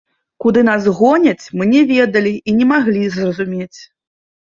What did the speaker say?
Куды нас гоняць, мы не ведалі і не маглі зразумець.